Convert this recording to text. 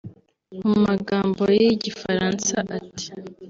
(mu magambo ye y’igifaransa ati